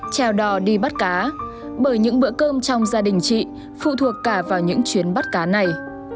trèo đò đi bắt cá bởi những bữa cơm trong gia đình chị phụ thuộc cả vào những chuyến bắt cá này